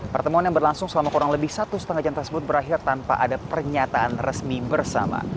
pertemuan yang berlangsung selama kurang lebih satu setengah jam tersebut berakhir tanpa ada pernyataan resmi bersama